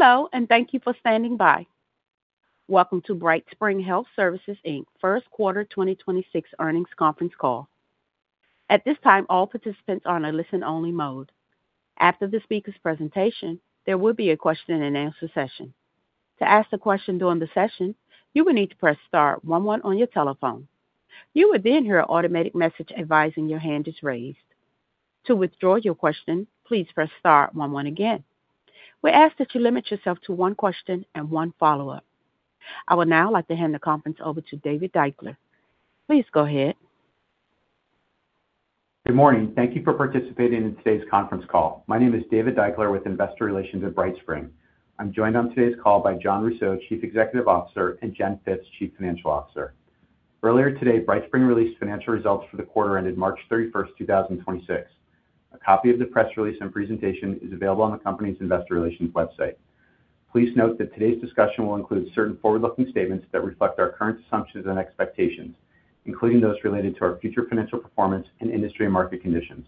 Hello, and thank you for standing by. Welcome to BrightSpring Health Services, Inc. first quarter 2026 earnings conference call. I would now like to hand the conference over to David Deuchler. Please go ahead. Good morning. Thank you for participating in today's conference call. My name is David Deuchler with Investor Relations at BrightSpring. I'm joined on today's call by Jon Rousseau, Chief Executive Officer, and Jen Phipps, Chief Financial Officer. Earlier today, BrightSpring released financial results for the quarter ended March 31st, 2026. A copy of the press release and presentation is available on the company's investor relations website. Please note that today's discussion will include certain forward-looking statements that reflect our current assumptions and expectations, including those related to our future financial performance and industry market conditions.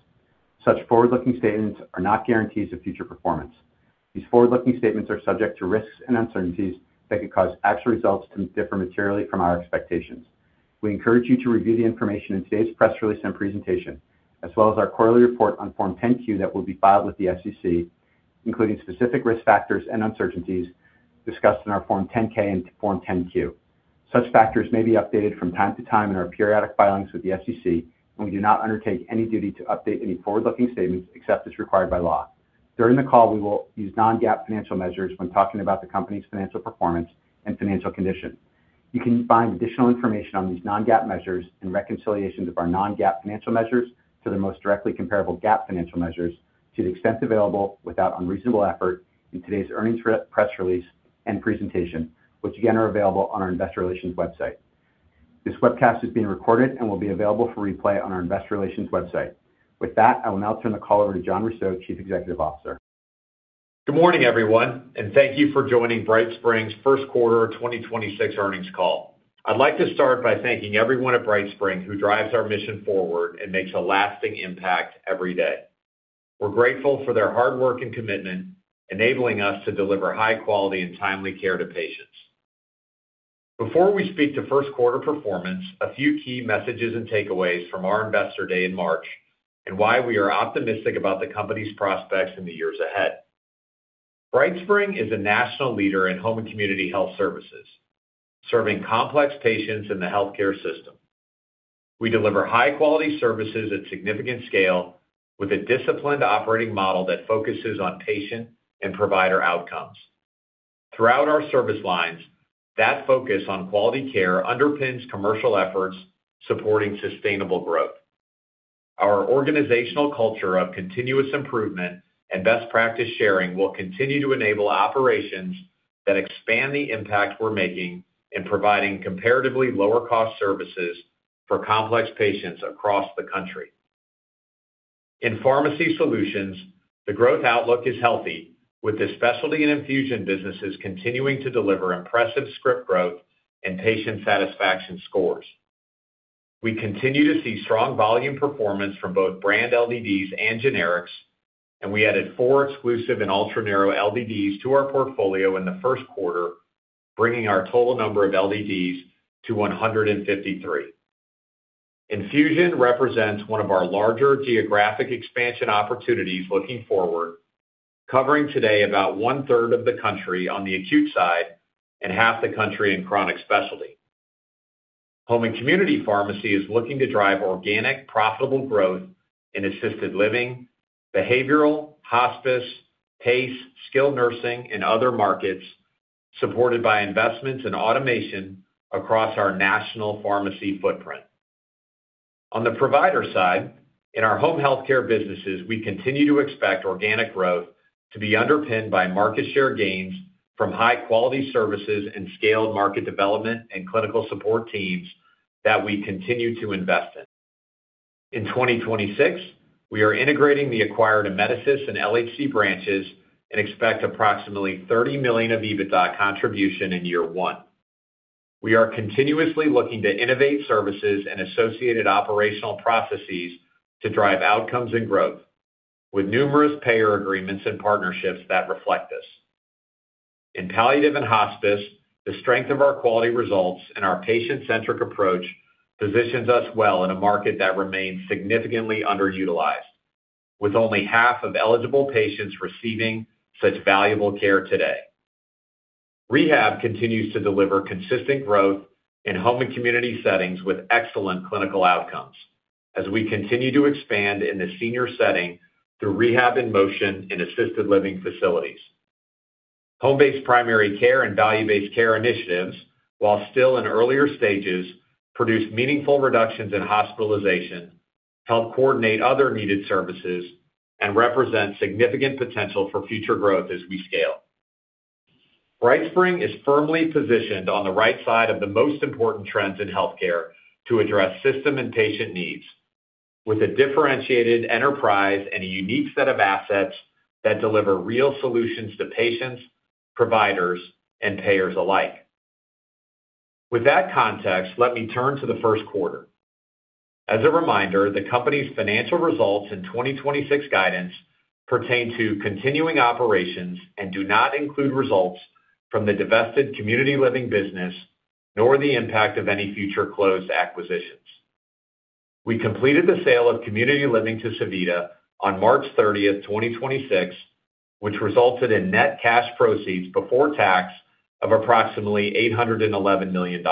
Such forward-looking statements are not guarantees of future performance. These forward-looking statements are subject to risks and uncertainties that could cause actual results to differ materially from our expectations. We encourage you to review the information in today's press release and presentation, as well as our quarterly report on Form 10-Q that will be filed with the SEC, including specific risk factors and uncertainties discussed in our Form 10-K and Form 10-Q. Such factors may be updated from time to time in our periodic filings with the SEC, and we do not undertake any duty to update any forward-looking statements except as required by law. During the call, we will use non-GAAP financial measures when talking about the company's financial performance and financial condition. You can find additional information on these non-GAAP measures and reconciliations of our non-GAAP financial measures to the most directly comparable GAAP financial measures to the extent available without unreasonable effort in today's earnings press release and presentation, which again, are available on our Investor Relations website. This webcast is being recorded and will be available for replay on our Investor Relations website. With that, I will now turn the call over to Jon Rousseau, Chief Executive Officer. Good morning, everyone, and thank you for joining BrightSpring's first quarter 2026 earnings call. I'd like to start by thanking everyone at BrightSpring who drives our mission forward and makes a lasting impact every day. We're grateful for their hard work and commitment, enabling us to deliver high quality and timely care to patients. Before we speak to first quarter performance, a few key messages and takeaways from our Investor Day in March and why we are optimistic about the company's prospects in the years ahead. BrightSpring is a national leader in home and community health services, serving complex patients in the healthcare system. We deliver high-quality services at significant scale with a disciplined operating model that focuses on patient and provider outcomes. Throughout our service lines, that focus on quality care underpins commercial efforts supporting sustainable growth. Our organizational culture of continuous improvement and best practice sharing will continue to enable operations that expand the impact we're making in providing comparatively lower cost services for complex patients across the country. In pharmacy solutions, the growth outlook is healthy, with the specialty and infusion businesses continuing to deliver impressive script growth and patient satisfaction scores. We continue to see strong volume performance from both brand LDDs and generics, and we added four exclusive and ultra-narrow LDDs to our portfolio in the first quarter, bringing our total number of LDDs to 153. Infusion represents one of our larger geographic expansion opportunities looking forward, covering today about 1/3 of the country on the acute side and half the country in chronic specialty. Home and community pharmacy is looking to drive organic, profitable growth in assisted living, behavioral, hospice, PACE, skilled nursing, and other markets, supported by investments in automation across our national pharmacy footprint. On the provider side, in our home healthcare businesses, we continue to expect organic growth to be underpinned by market share gains from high-quality services and scaled market development and clinical support teams that we continue to invest in. In 2026, we are integrating the acquired Amedisys and LHC branches and expect approximately $30 million of EBITDA contribution in year one. We are continuously looking to innovate services and associated operational processes to drive outcomes and growth, with numerous payer agreements and partnerships that reflect this. In palliative and hospice, the strength of our quality results and our patient-centric approach positions us well in a market that remains significantly underutilized, with only half of eligible patients receiving such valuable care today. Rehab continues to deliver consistent growth in home and community settings with excellent clinical outcomes as we continue to expand in the senior setting through Rehab in Motion in assisted living facilities. Home-based primary care and value-based care initiatives, while still in earlier stages, produce meaningful reductions in hospitalization, help coordinate other needed services, and represent significant potential for future growth as we scale. BrightSpring is firmly positioned on the right side of the most important trends in healthcare to address system and patient needs with a differentiated enterprise and a unique set of assets that deliver real solutions to patients, providers, and payers alike. With that context, let me turn to the first quarter. As a reminder, the company's financial results in 2026 guidance pertain to continuing operations and do not include results from the divested community living business, nor the impact of any future closed acquisitions. We completed the sale of community living to Sevita on March 30th, 2026, which resulted in net cash proceeds before tax of approximately $811 million.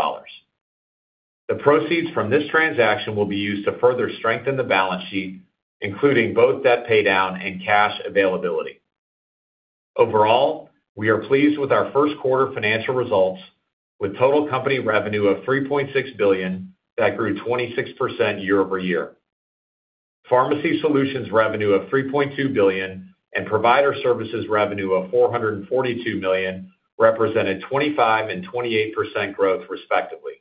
The proceeds from this transaction will be used to further strengthen the balance sheet, including both debt paydown and cash availability. Overall, we are pleased with our first quarter financial results with total company revenue of $3.6 billion that grew 26% year-over-year. Pharmacy solutions revenue of $3.2 billion and provider services revenue of $442 million represented 25% and 28% growth respectively.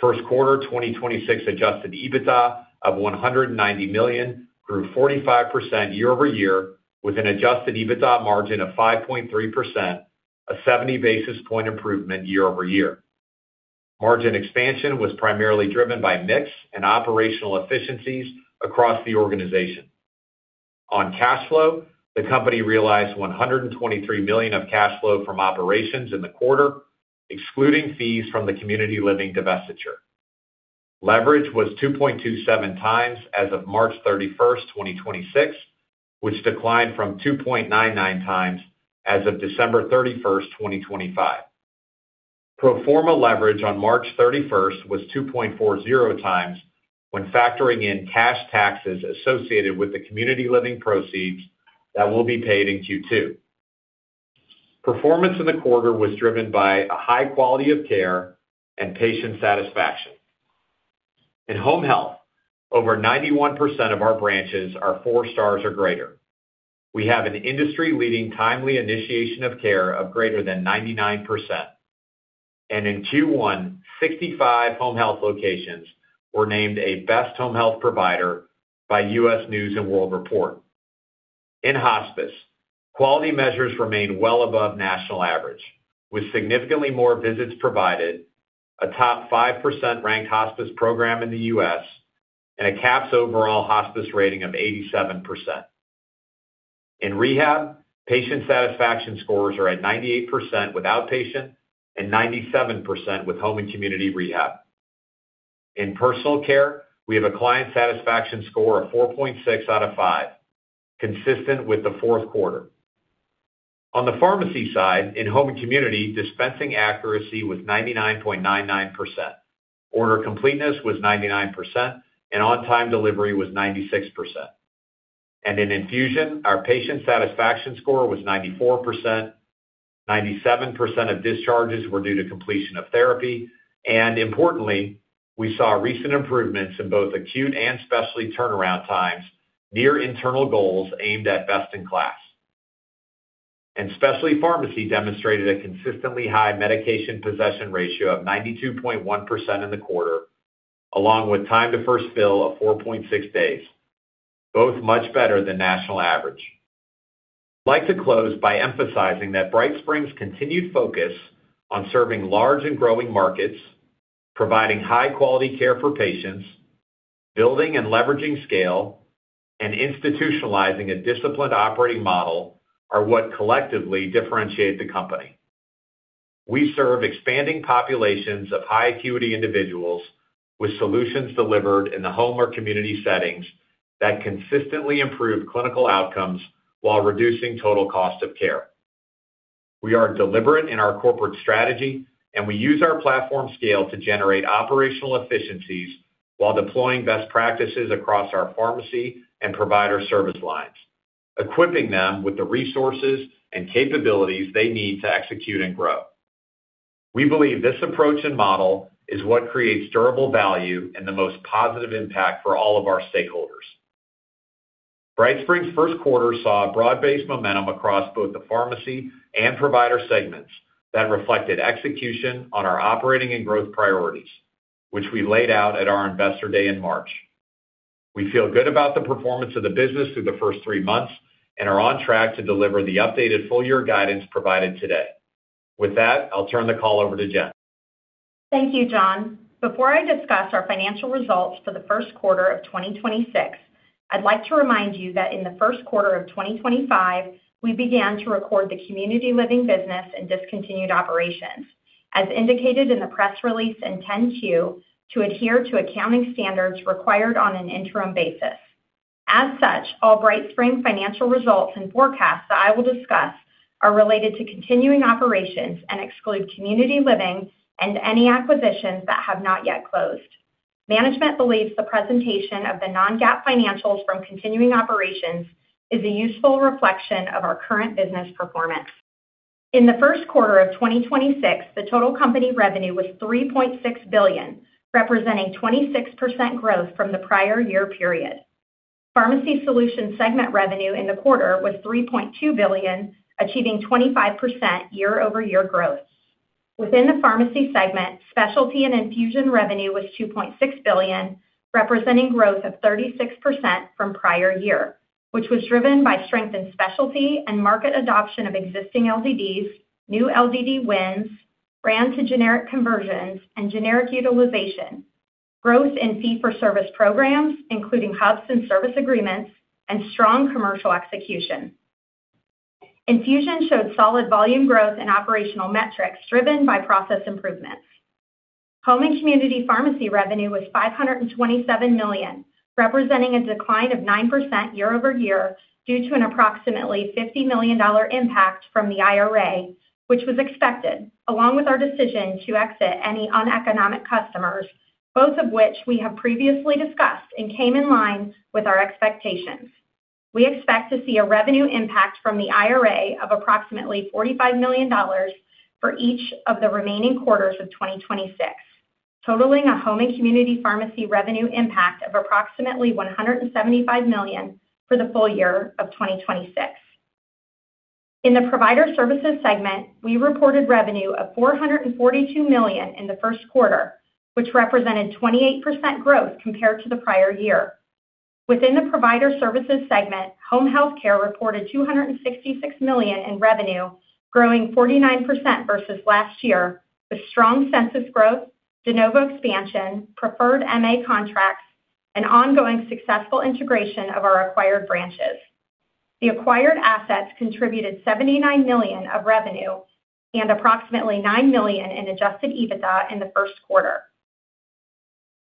First quarter 2026 adjusted EBITDA of $190 million grew 45% year-over-year with an adjusted EBITDA margin of 5.3%, a 70 basis point improvement year-over-year. Margin expansion was primarily driven by mix and operational efficiencies across the organization. On cash flow, the company realized $123 million of cash flow from operations in the quarter, excluding fees from the community living divestiture. Leverage was 2.27x as of March 31st, 2026, which declined from 2.99x as of December 31st, 2025. Pro forma leverage on March 31st was 2.40x when factoring in cash taxes associated with the community living proceeds that will be paid in Q2. Performance in the quarter was driven by a high quality of care and patient satisfaction. In home health, over 91% of our branches are four stars or greater. We have an industry-leading timely initiation of care of greater than 99%. In Q1, 65 home health locations were named a best home health provider by U.S. News & World Report. In hospice, quality measures remain well above national average with significantly more visits provided, a top 5% ranked hospice program in the U.S., and a CAHPS overall hospice rating of 87%. In rehab, patient satisfaction scores are at 98% with outpatient and 97% with home and community rehab. In personal care, we have a client satisfaction score of 4.6 out of 5, consistent with the fourth quarter. On the pharmacy side, in home and community, dispensing accuracy was 99.99%. Order completeness was 99%, on-time delivery was 96%. In infusion, our patient satisfaction score was 94%. 97% of discharges were due to completion of therapy. Importantly, we saw recent improvements in both acute and specialty turnaround times near internal goals aimed at best in class. Specialty pharmacy demonstrated a consistently high medication possession ratio of 92.1% in the quarter, along with time to first bill of 4.6 days, both much better than national average. I'd like to close by emphasizing that BrightSpring's continued focus on serving large and growing markets, providing high-quality care for patients, building and leveraging scale, and institutionalizing a disciplined operating model are what collectively differentiate the company. We serve expanding populations of high acuity individuals with solutions delivered in the home or community settings that consistently improve clinical outcomes while reducing total cost of care. We are deliberate in our corporate strategy, and we use our platform scale to generate operational efficiencies while deploying best practices across our pharmacy and provider service lines, equipping them with the resources and capabilities they need to execute and grow. We believe this approach and model is what creates durable value and the most positive impact for all of our stakeholders. BrightSpring's first quarter saw broad-based momentum across both the pharmacy and provider segments that reflected execution on our operating and growth priorities, which we laid out at our Investor Day in March. We feel good about the performance of the business through the first three months and are on track to deliver the updated full year guidance provided today. With that, I'll turn the call over to Jen. Thank you, Jon. Before I discuss our financial results for the first quarter of 2026, I'd like to remind you that in the first quarter of 2025, we began to record the community living business and discontinued operations, as indicated in the press release in 10-Q, to adhere to accounting standards required on an interim basis. As such, all BrightSpring financial results and forecasts that I will discuss are related to continuing operations and exclude community living and any acquisitions that have not yet closed. Management believes the presentation of the non-GAAP financials from continuing operations is a useful reflection of our current business performance. In the first quarter of 2026, the total company revenue was $3.6 billion, representing 26% growth from the prior year period. Pharmacy Solutions segment revenue in the quarter was $3.2 billion, achieving 25% year-over-year growth. Within the pharmacy segment, specialty and infusion revenue was $2.6 billion, representing growth of 36% from prior year. Which was driven by strength in specialty and market adoption of existing LDDs, new LDD wins, brand to generic conversions, and generic utilization, growth in fee for service programs, including hubs and service agreements, and strong commercial execution. Infusion showed solid volume growth and operational metrics driven by process improvements. Home and community pharmacy revenue was $527 million, representing a decline of 9% year-over-year due to an approximately $50 million impact from the IRA, which was expected, along with our decision to exit any uneconomic customers, both of which we have previously discussed and came in line with our expectations. We expect to see a revenue impact from the IRA of approximately $45 million for each of the remaining quarters of 2026, totaling a home and community pharmacy revenue impact of approximately $175 million for the full year of 2026. In the provider services segment, we reported revenue of $442 million in the first quarter, which represented 28% growth compared to the prior year. Within the provider services segment, home health care reported $266 million in revenue, growing 49% versus last year, with strong census growth, de novo expansion, preferred MA contracts, and ongoing successful integration of our acquired branches. The acquired assets contributed $79 million of revenue and approximately $9 million in adjusted EBITDA in the first quarter.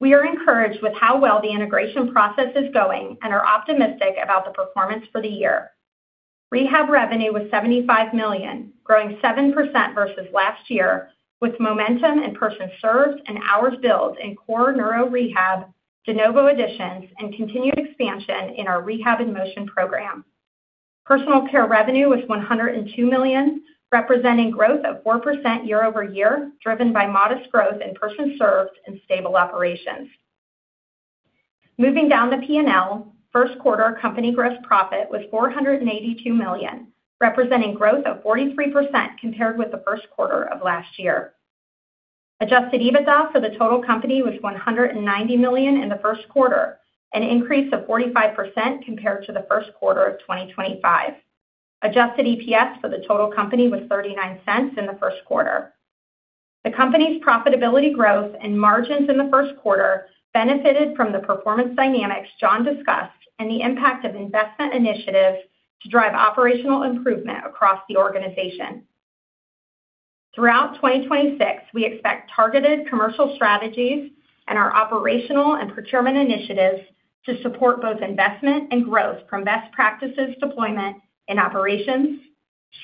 We are encouraged with how well the integration process is going and are optimistic about the performance for the year. Rehab revenue was $75 million, growing 7% versus last year, with momentum in person served and hours billed in core neuro rehab, de novo additions, and continued expansion in our Rehab in Motion program. Personal care revenue was $102 million, representing growth of 4% year-over-year, driven by modest growth in person served and stable operations. Moving down the P&L, first quarter company gross profit was $482 million, representing growth of 43% compared with the first quarter of last year. adjusted EBITDA for the total company was $190 million in the first quarter, an increase of 45% compared to the first quarter of 2025. Adjusted EPS for the total company was $0.39 in the first quarter. The company's profitability growth and margins in the first quarter benefited from the performance dynamics Jon discussed and the impact of investment initiatives to drive operational improvement across the organization. Throughout 2026, we expect targeted commercial strategies and our operational and procurement initiatives to support both investment and growth from best practices deployment in operations,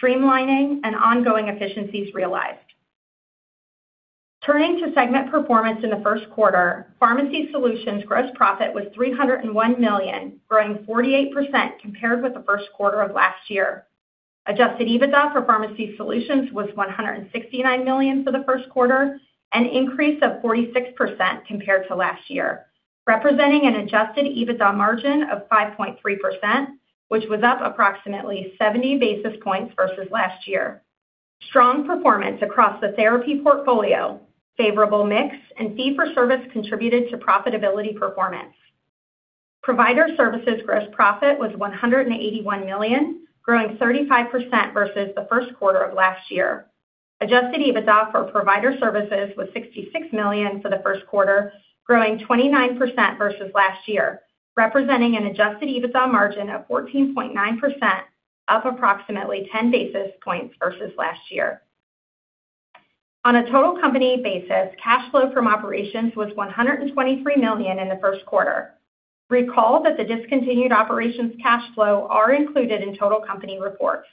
streamlining, and ongoing efficiencies realized. Turning to segment performance in the first quarter, Pharmacy Solutions gross profit was $301 million, growing 48% compared with the first quarter of last year. Adjusted EBITDA for Pharmacy Solutions was $169 million for the first quarter, an increase of 46% compared to last year, representing an adjusted EBITDA margin of 5.3%, which was up approximately 70 basis points versus last year. Strong performance across the therapy portfolio, favorable mix, and fee for service contributed to profitability performance. Provider Services gross profit was $181 million, growing 35% versus the 1st quarter of last year. Adjusted EBITDA for Provider Services was $66 million for the first quarter, growing 29% versus last year, representing an adjusted EBITDA margin of 14.9%, up approximately 10 basis points versus last year. On a total company basis, cash flow from operations was $123 million in the first quarter. Recall that the discontinued operations cash flow are included in total company reports.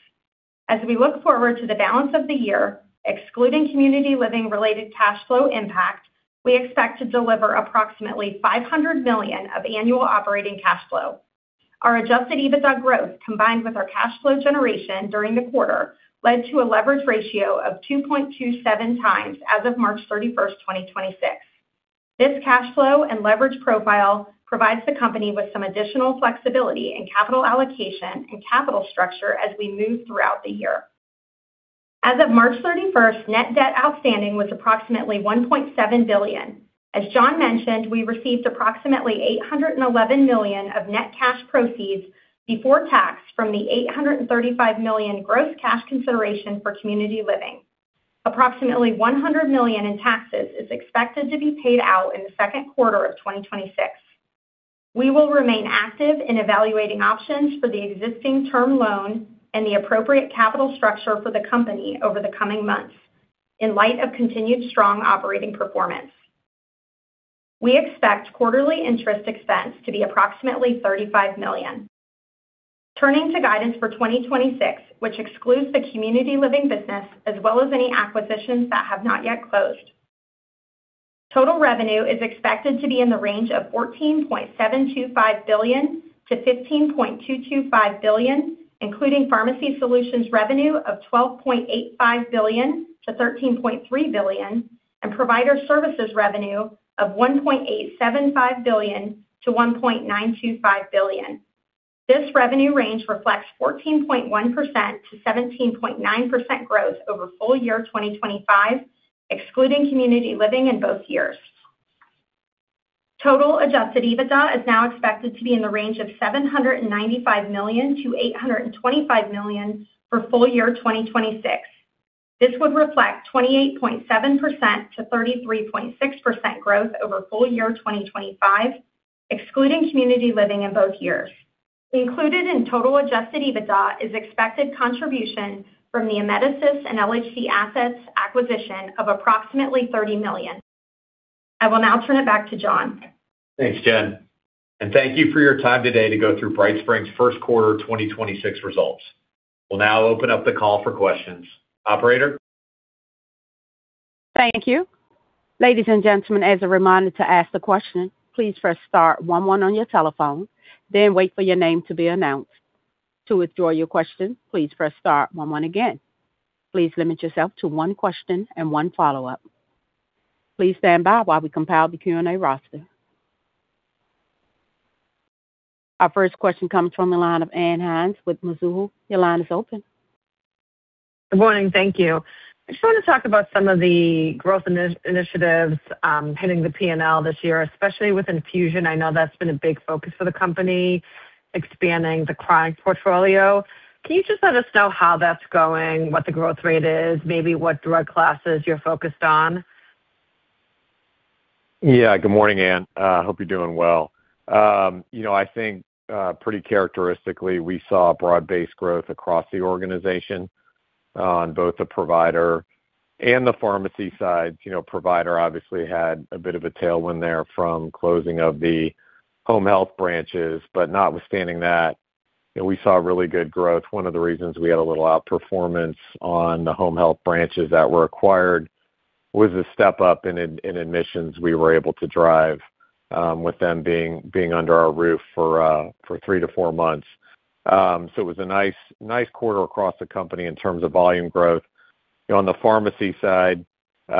As we look forward to the balance of the year, excluding community living related cash flow impact, we expect to deliver approximately $500 million of annual operating cash flow. Our adjusted EBITDA growth, combined with our cash flow generation during the quarter, led to a leverage ratio of 2.27x as of March 31st, 2026. This cash flow and leverage profile provides the company with some additional flexibility in capital allocation and capital structure as we move throughout the year. As of March 31st, net debt outstanding was approximately $1.7 billion. As Jon mentioned, we received approximately $811 million of net cash proceeds before tax from the $835 million gross cash consideration for community living. Approximately $100 million in taxes is expected to be paid out in the second quarter of 2026. We will remain active in evaluating options for the existing term loan and the appropriate capital structure for the company over the coming months in light of continued strong operating performance. We expect quarterly interest expense to be approximately $35 million. Turning to guidance for 2026, which excludes the community living business as well as any acquisitions that have not yet closed. Total revenue is expected to be in the range of $14.725 billion-$15.225 billion, including Pharmacy Solutions revenue of $12.85 billion-$13.3 billion and Provider Services revenue of $1.875 billion-$1.925 billion. This revenue range reflects 14.1%-17.9% growth over full year 2025, excluding community living in both years. Total adjusted EBITDA is now expected to be in the range of $795 million-$825 million for full year 2026. This would reflect 28.7%-33.6% growth over full year 2025, excluding community living in both years. Included in total adjusted EBITDA is expected contribution from the Amedisys and LHC assets acquisition of approximately $30 million. I will now turn it back to Jon. Thanks, Jen, and thank you for your time today to go through BrightSpring's first quarter 2026 results. We'll now open up the call for questions. Operator? Thank you. Ladies and gentlemen, Our first question comes from the line of Ann Hynes with Mizuho. Your line is open. Good morning. Thank you. I just wanna talk about some of the growth initiatives hitting the P&L this year, especially with infusion. I know that's been a big focus for the company, expanding the chronic portfolio. Can you just let us know how that's going, what the growth rate is, maybe what drug classes you're focused on? Good morning, Ann. Hope you're doing well. You know, I think, pretty characteristically, we saw broad-based growth across the organization on both the provider and the pharmacy side. You know, provider obviously had a bit of a tailwind there from closing of the home health branches. Notwithstanding that, you know, we saw really good growth. One of the reasons we had a little outperformance on the home health branches that were acquired was the step-up in admissions we were able to drive, with them being under our roof for three to four months. It was a nice quarter across the company in terms of volume growth. On the pharmacy side, you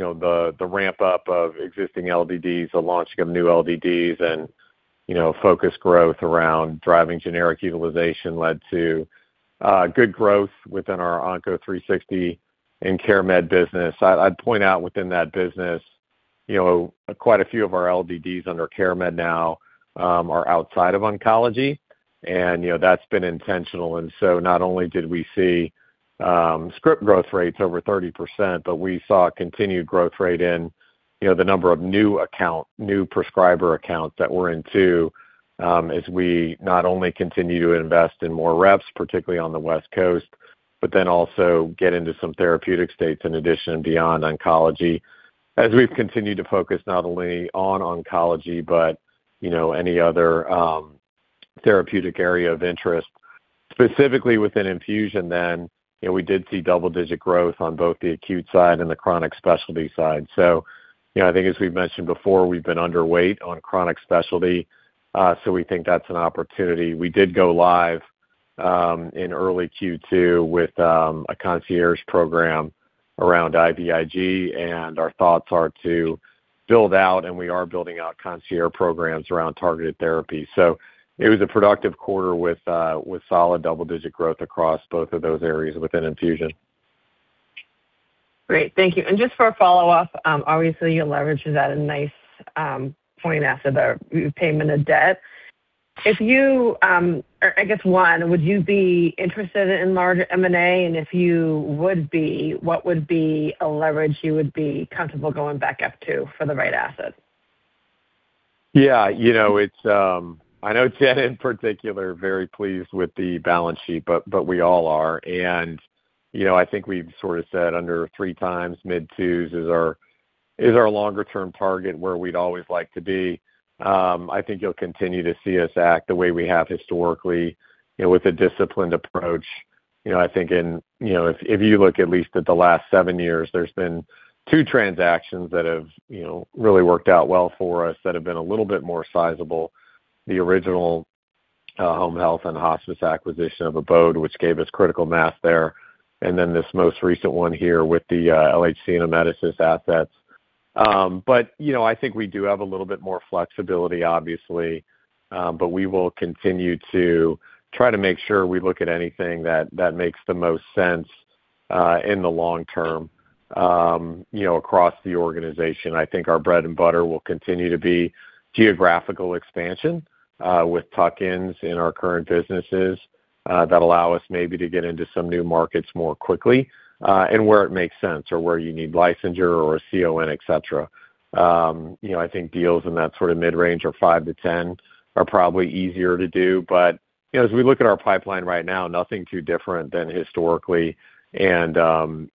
know, the ramp-up of existing LDDs, the launching of new LDDs and, you know, focused growth around driving generic utilization led to good growth within our Onco360 and CareMed business. I'd point out within that business, you know, quite a few of our LDDs under CareMed now are outside of oncology and, you know, that's been intentional. Not only did we see script growth rates over 30%, but we saw continued growth rate in, you know, the number of new account, new prescriber accounts that we're into, as we not only continue to invest in more reps, particularly on the West Coast, but then also get into some therapeutic states in addition and beyond oncology, as we've continued to focus not only on oncology but, you know, any other therapeutic area of interest. Specifically within infusion, you know, we did see double-digit growth on both the acute side and the chronic specialty side. You know, I think as we've mentioned before, we've been underweight on chronic specialty, we think that's an opportunity. We did go live in early Q2 with a concierge program around IVIG, and our thoughts are to build out, and we are building out concierge programs around targeted therapy. It was a productive quarter with solid double-digit growth across both of those areas within infusion. Great. Thank you. Just for a follow-up, obviously, your leverage is at a nice point after the repayment of debt. I guess, one, would you be interested in larger M&A? If you would be, what would be a leverage you would be comfortable going back up to for the right asset? Yeah. You know, it's. I know Jen, in particular, very pleased with the balance sheet, but we all are. You know, I think we've sort of said under 3x mid-2s is our longer-term target where we'd always like to be. I think you'll continue to see us act the way we have historically, you know, with a disciplined approach. You know, I think in, you know, if you look at least at the last seven years, there's been two transactions that have, you know, really worked out well for us that have been a little bit more sizable. The original home health and hospice acquisition of Abode, which gave us critical mass there, and then this most recent one here with the LHC and Amedisys assets. You know, I think we do have a little bit more flexibility, obviously, we will continue to try to make sure we look at anything that makes the most sense in the long term, you know, across the organization. I think our bread and butter will continue to be geographical expansion with tuck-ins in our current businesses that allow us maybe to get into some new markets more quickly and where it makes sense or where you need licensure or a CON, et cetera. You know, I think deals in that sort of mid-range or five-10 are probably easier to do. You know, as we look at our pipeline right now, nothing too different than historically. You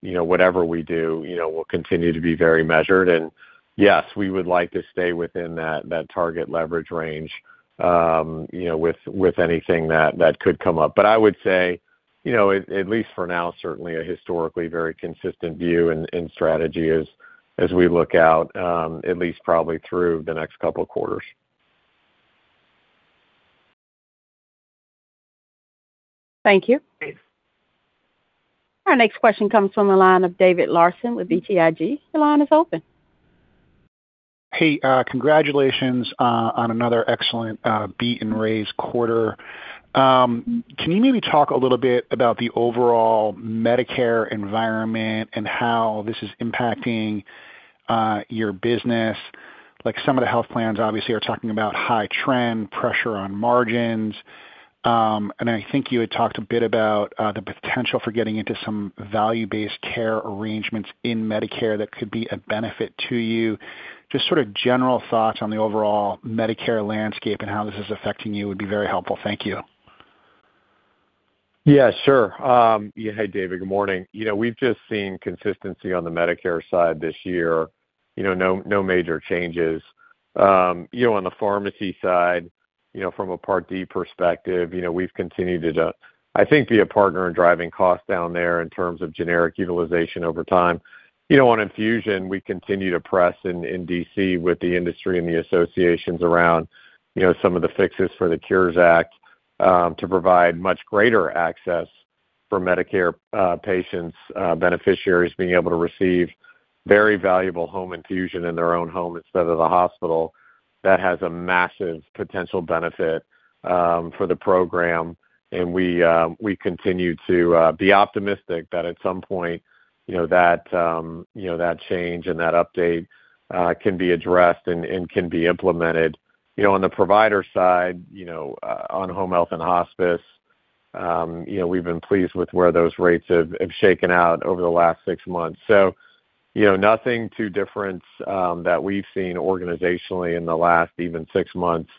know, whatever we do, you know, will continue to be very measured. Yes, we would like to stay within that target leverage range, you know, with anything that could come up. I would say, you know, at least for now, certainly a historically very consistent view and strategy as we look out, at least probably through the next couple of quarters. Thank you. Thanks. Our next question comes from the line of David Larsen with BTIG. Your line is open. Hey. Congratulations on another excellent beat and raise quarter. Can you maybe talk a little bit about the overall Medicare environment and how this is impacting your business? Like some of the health plans obviously are talking about high trend pressure on margins. I think you had talked a bit about the potential for getting into some value-based care arrangements in Medicare that could be a benefit to you. Just sort of general thoughts on the overall Medicare landscape and how this is affecting you would be very helpful. Thank you. Yeah, sure. Yeah. Hey, David. Good morning. You know, we've just seen consistency on the Medicare side this year, you know, no major changes. You know, on the pharmacy side, you know, from a Part D perspective, you know, we've continued to, I think, be a partner in driving costs down there in terms of generic utilization over time. You know, on infusion, we continue to press in D.C. with the industry and the associations around, you know, some of the fixes for the Cures Act to provide much greater access for Medicare patients, beneficiaries being able to receive very valuable home infusion in their own home instead of the hospital. That has a massive potential benefit for the program. We continue to be optimistic that at some point, you know, that, you know, that change and that update can be addressed and can be implemented. You know, on the provider side, you know, on home health and hospice, you know, we've been pleased with where those rates have shaken out over the last six months. You know, nothing too different that we've seen organizationally in the last even six months.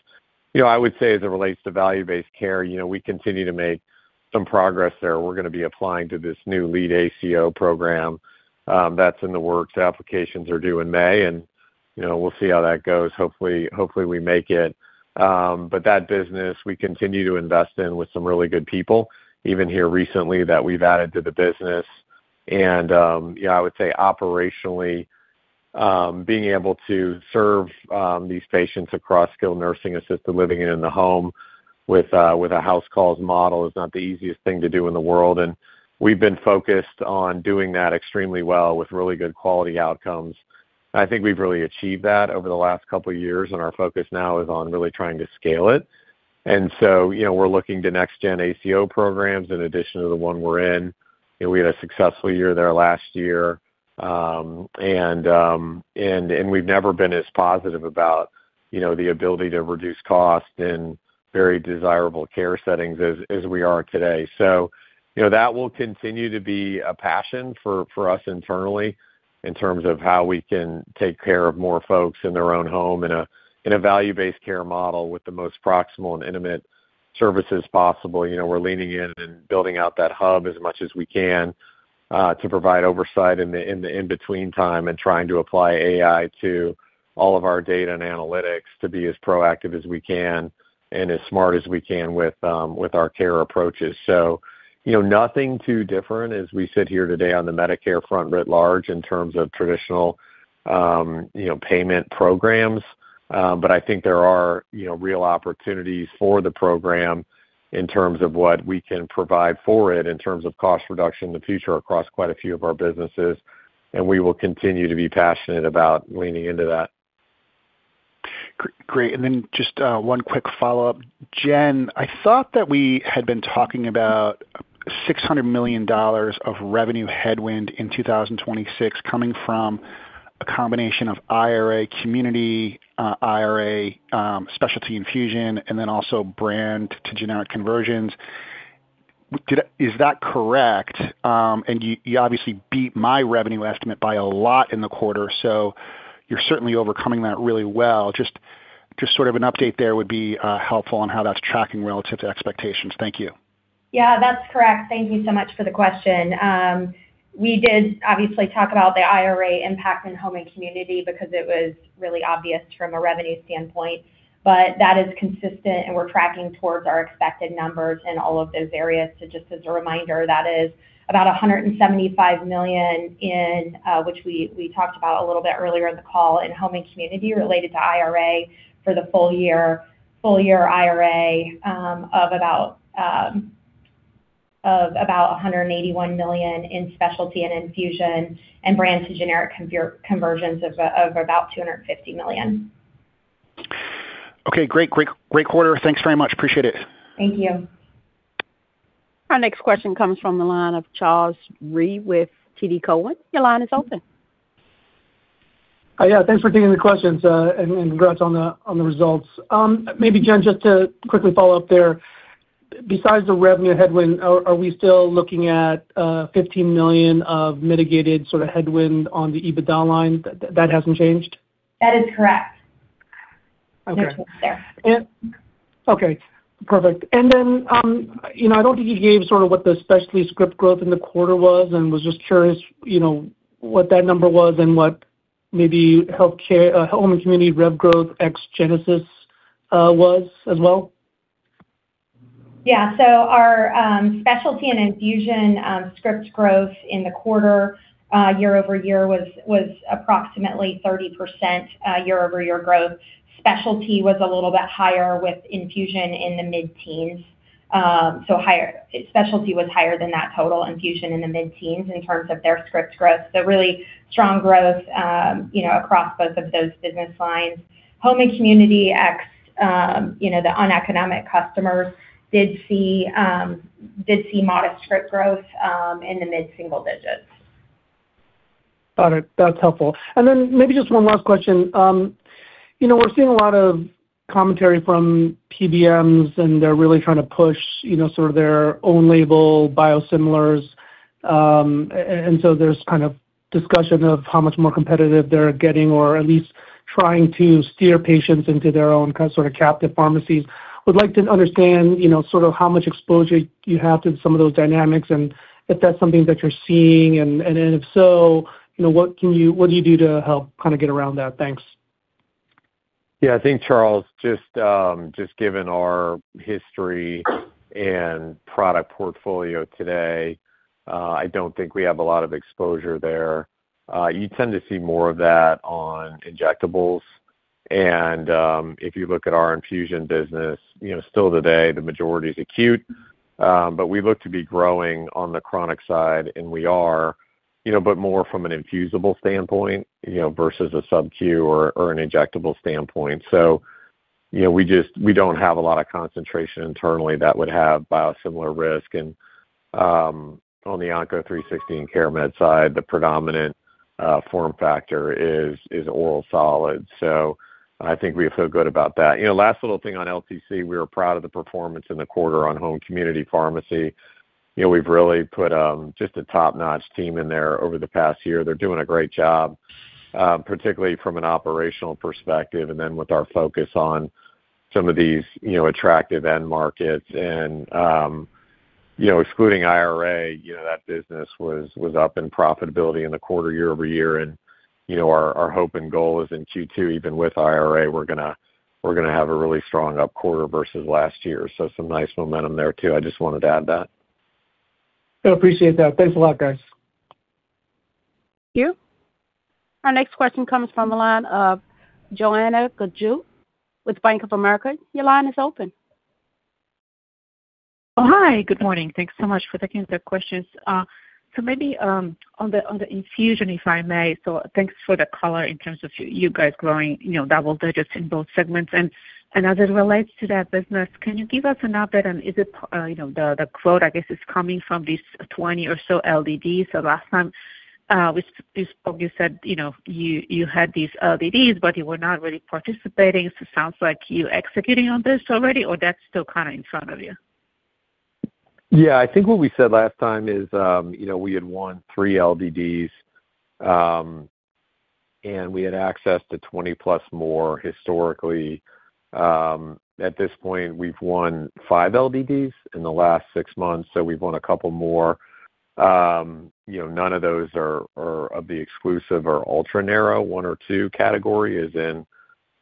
You know, I would say as it relates to value-based care, you know, we continue to make some progress there. We're gonna be applying to this new LEAD ACO Program that's in the works. Applications are due in May and, you know, we'll see how that goes. Hopefully, we make it. That business we continue to invest in with some really good people even here recently that we've added to the business. Yeah, I would say operationally, being able to serve these patients across skilled nursing assistant living in the home with a, with a house calls model is not the easiest thing to do in the world, and we've been focused on doing that extremely well with really good quality outcomes. I think we've really achieved that over the last couple of years, and our focus now is on really trying to scale it. You know, we're looking to next gen ACO programs in addition to the one we're in. You know, we had a successful year there last year. We've never been as positive about, you know, the ability to reduce cost in very desirable care settings as we are today. You know, that will continue to be a passion for us internally in terms of how we can take care of more folks in their own home in a value-based care model with the most proximal and intimate services possible. You know, we're leaning in and building out that hub as much as we can to provide oversight in the in-between time and trying to apply AI to all of our data and analytics to be as proactive as we can and as smart as we can with our care approaches. You know, nothing too different as we sit here today on the Medicare front writ large in terms of traditional, you know, payment programs. I think there are, you know, real opportunities for the program in terms of what we can provide for it in terms of cost reduction in the future across quite a few of our businesses, and we will continue to be passionate about leaning into that. Great. Then just one quick follow-up. Jen, I thought that we had been talking about $600 million of revenue headwind in 2026 coming from a combination of IRA community, IRA specialty infusion, and then also brand to generic conversions. Is that correct? You obviously beat my revenue estimate by a lot in the quarter, so you're certainly overcoming that really well. Just sort of an update there would be helpful on how that's tracking relative to expectations. Thank you. Yeah, that's correct. Thank you so much for the question. We did obviously talk about the IRA impact in home and community because it was really obvious from a revenue standpoint. That is consistent, and we're tracking towards our expected numbers in all of those areas. Just as a reminder, that is about $175 million in, which we talked about a little bit earlier in the call, in home and community related to IRA for the full year IRA, of about $181 million in specialty and infusion and brand to generic conversions of about $250 million. Okay, great, great quarter. Thanks very much. Appreciate it. Thank you. Our next question comes from the line of Charles Rhyee with TD Cowen. Your line is open. Thanks for taking the questions, and congrats on the results. Maybe Jen, just to quickly follow up there. Besides the revenue headwind, are we still looking at $15 million of mitigated sort of headwind on the EBITDA line? That hasn't changed? That is correct. Okay. No change there. Okay, perfect. Then, you know, I don't think you gave sort of what the specialty script growth in the quarter was and was just curious, you know, what that number was and what maybe healthcare, home and community rev growth ex Genesis was as well? Our specialty and infusion script growth in the quarter year-over-year was approximately 30% year-over-year growth. Specialty was a little bit higher with infusion in the mid-teens. Specialty was higher than that total infusion in the mid-teens in terms of their script growth. Really strong growth, you know, across both of those business lines. Home and community ex, you know, the uneconomic customers did see modest script growth in the mid-single digits. Got it. That's helpful. Maybe just one last question. You know, we're seeing a lot of commentary from PBMs. They're really trying to push, you know, sort of their own label biosimilars. There's kind of discussion of how much more competitive they're getting or at least trying to steer patients into their own kind of, sort of captive pharmacies. Would like to understand, you know, sort of how much exposure you have to some of those dynamics. If that's something that you're seeing. If so, you know, what do you do to help kind of get around that? Thanks. Yeah. I think, Charles, just given our history and product portfolio today, I don't think we have a lot of exposure there. You tend to see more of that on injectables. If you look at our infusion business, you know, still today, the majority is acute. We look to be growing on the chronic side, and we are, you know, but more from an infusible standpoint, you know, versus a subQ or an injectable standpoint. You know, we don't have a lot of concentration internally that would have biosimilar risk. On the Onco360 and CareMed side, the predominant form factor is oral solid. I think we feel good about that. You know, last little thing on LTC, we are proud of the performance in the quarter on home community pharmacy. You know, we've really put just a top-notch team in there over the past year. They're doing a great job, particularly from an operational perspective, and then with our focus on some of these, you know, attractive end markets. Excluding IRA, you know, that business was up in profitability in the quarter year-over-year. You know, our hope and goal is in Q2, even with IRA, we're gonna have a really strong up quarter versus last year. Some nice momentum there too. I just wanted to add that. I appreciate that. Thanks a lot, guys. Thank you. Our next question comes from the line of Joanna Gajuk with Bank of America. Your line is open. Oh, hi, good morning. Thanks so much for taking the questions. Maybe on the infusion, if I may. Thanks for the color in terms of you guys growing, you know, double digits in both segments. As it relates to that business, can you give us an update on is it, you know, the quote, I guess, is coming from these 20 or so LDDs. Last time, we spoke, you said, you know, you had these LDDs, but you were not really participating. It sounds like you executing on this already, or that's still kind of in front of you? Yeah. I think what we said last time is, you know, we had won three LDDs, and we had access to 20-plus more historically. At this point, we've won five LDDs in the last six months, we've won a couple more. You know, none of those are of the exclusive or ultra narrow one- or two-category as in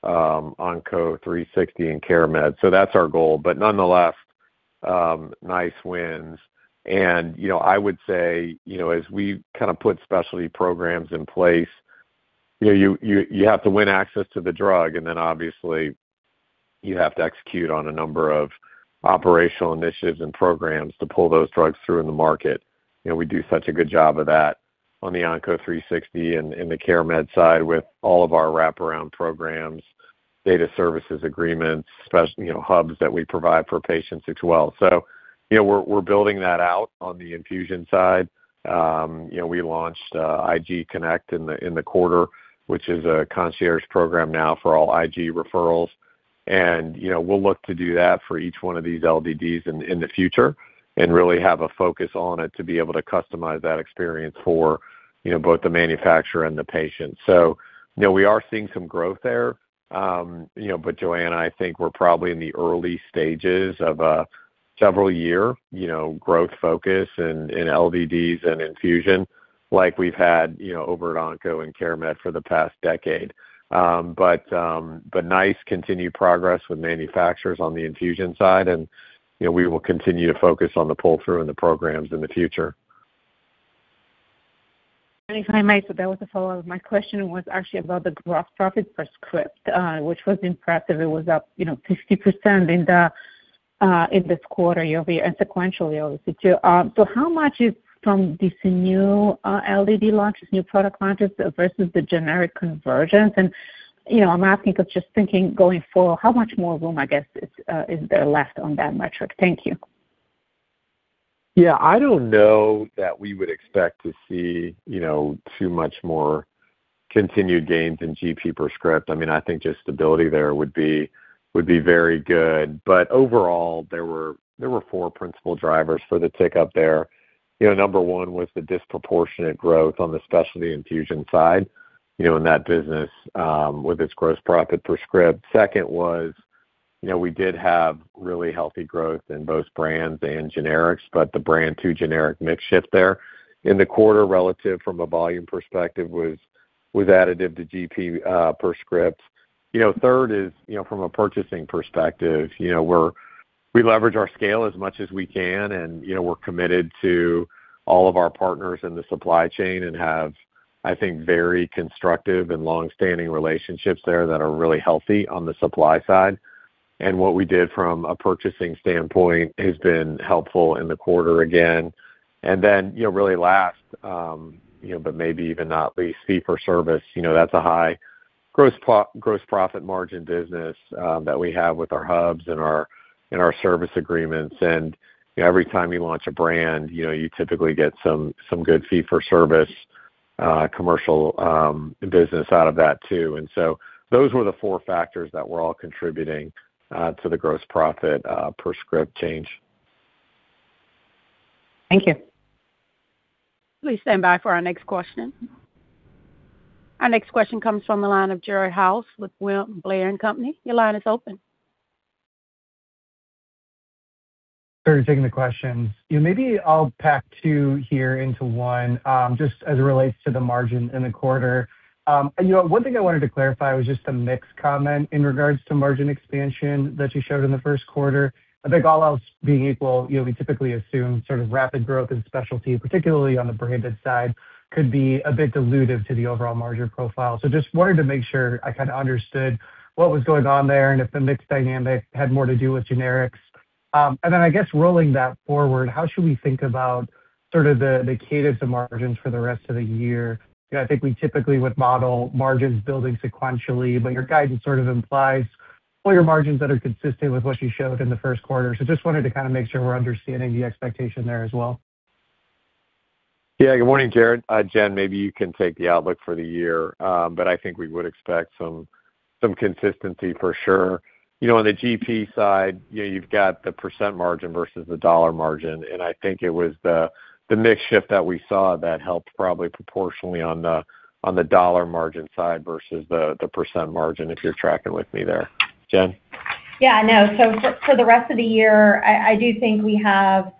Onco360 and CareMed. That's our goal. Nonetheless, nice wins. I would say, you know, as we kind of put specialty programs in place, you know, you have to win access to the drug, then, obviously, you have to execute on a number of operational initiatives and programs to pull those drugs through in the market. You know, we do such a good job of that on the Onco360 and the CareMed side with all of our wraparound programs, data services agreements, you know, hubs that we provide for patients as well. You know, we're building that out on the infusion side. You know, we launched IG Connect in the quarter, which is a concierge program now for all IG referrals. You know, we'll look to do that for each one of these LDDs in the future and really have a focus on it to be able to customize that experience for, you know, both the manufacturer and the patient. You know, we are seeing some growth there. You know, but Joanna, I think we're probably in the early stages of a several year, you know, growth focus in LDDs and infusion like we've had, you know, over at ONCO and CareMed for the past decade. Nice continued progress with manufacturers on the infusion side and, you know, we will continue to focus on the pull-through and the programs in the future. If I may, that was a follow-up. My question was actually about the gross profit per script, which was impressive. It was up, you know, 50% in this quarter year-over-year and sequentially over Q2. How much is from these new LDD launches, new product launches versus the generic conversions? You know, I'm asking because just thinking going forward, how much more room, I guess, is there left on that metric? Thank you. Yeah. I don't know that we would expect to see, you know, too much more continued gains in GP per script. I mean, I think just stability there would be very good. Overall, there were four principal drivers for the tick up there. You know, number one was the disproportionate growth on the specialty infusion side, you know, in that business, with its gross profit per script. Second was, you know, we did have really healthy growth in both brands and generics, but the brand to generic mix shift there in the quarter relative from a volume perspective was additive to GP per script. You know, third is, you know, from a purchasing perspective, you know, we leverage our scale as much as we can and, you know, we're committed to all of our partners in the supply chain and have, I think, very constructive and long-standing relationships there that are really healthy on the supply side. What we did from a purchasing standpoint has been helpful in the quarter again. Then, you know, really last, you know, but maybe even not least, fee for service, you know, that's a high gross profit margin business that we have with our hubs and our, and our service agreements. Every time you launch a brand, you know, you typically get some good fee for service, commercial business out of that too. Those were the four factors that were all contributing to the gross profit per script change. Thank you. Please stand by for our next question. Our next question comes from the line of Jared Haase with William Blair & Company. Your line is open. Thanks for taking the questions. You know, maybe I'll pack two here into one, just as it relates to the margin in the quarter. You know, one thing I wanted to clarify was just the mix comment in regards to margin expansion that you showed in the first quarter. I think all else being equal, you know, we typically assume sort of rapid growth in specialty, particularly on the branded side, could be a bit dilutive to the overall margin profile. Just wanted to make sure I kind of understood what was going on there and if the mix dynamic had more to do with generics. I guess rolling that forward, how should we think about sort of the cadence of margins for the rest of the year? You know, I think we typically would model margins building sequentially, but your guidance sort of implies fuller margins that are consistent with what you showed in the first quarter. Just wanted to kind of make sure we're understanding the expectation there as well. Yeah, good morning, Jared. Jen, maybe you can take the outlook for the year, but I think we would expect some consistency for sure. You know, on the GP side, you know, you've got the percent margin versus the dollar margin, and I think it was the mix shift that we saw that helped probably proportionally on the dollar margin side versus the percent margin, if you're tracking with me there. Jen. For the rest of the year, I do think we have,